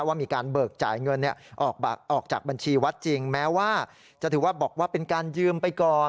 ว่ามีการเบิกจ่ายเงินออกจากบัญชีวัดจริงแม้ว่าจะถือว่าบอกว่าเป็นการยืมไปก่อน